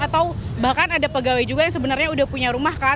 atau bahkan ada pegawai juga yang sebenarnya udah punya rumah kan